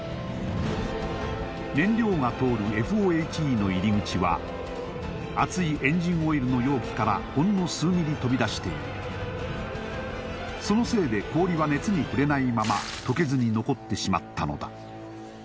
燃料が通るＦＯＨＥの入口は熱いエンジンオイルの容器からほんの数ミリ飛び出しているそのせいで氷は熱に触れないまま溶けずに残ってしまったのだ